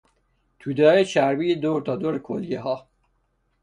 تودههای چربی دور تا دور کلیهها